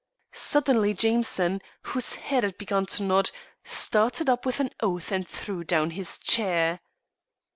Suddenly Jameson, whose head had begun to nod, started up with an oath and threw down his chair.